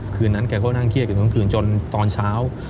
คืนนั้นแกก็นั่งเครียดกันทั้งคืนจนตอนเช้า